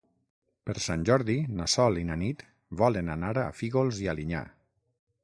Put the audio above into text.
Per Sant Jordi na Sol i na Nit volen anar a Fígols i Alinyà.